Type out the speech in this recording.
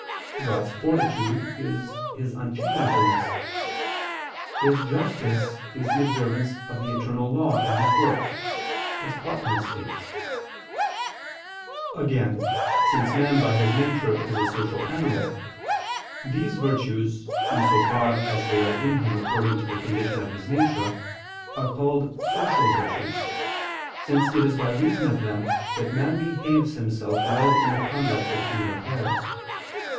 God's fortitude is His unchangeableness; His justice is the observance of the Eternal Law in His works, as Plotinus states (Cf. Macrobius, Super Somn. Scip. 1). Again, since man by his nature is a social [*See above note on Chrysostom] animal, these virtues, in so far as they are in him according to the condition of his nature, are called "social" virtues; since it is by reason of them that man behaves himself well in the conduct of human affairs.